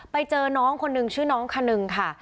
ไปเจอน้องคนนึงชื่อน้องคนนึงค่ะ